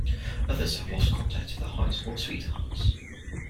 Others have lost contact with their high school sweethearts.